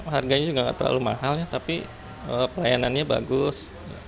harganya juga nggak terlalu mahal ya tapi pelayanannya bagus